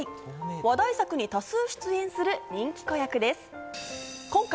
話題作に多数出演する、人気子役です。